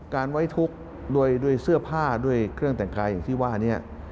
ไว้ทุกข์ด้วยเสื้อผ้าด้วยเครื่องแต่งกายอย่างที่ว่านี้